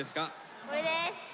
これです。